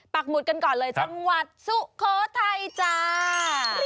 หุดกันก่อนเลยจังหวัดสุโขทัยจ้า